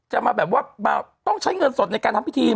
จะมาแบบว่าต้องใช้เงินสดในการทำพิธี